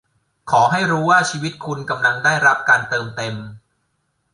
ขอให้รู้ว่าชีวิตคุณกำลังได้รับการเติมเต็ม